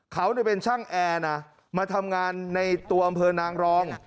เขาเป็นช่างแอร์นะมาทำงานในตัวอำเภอนางรอง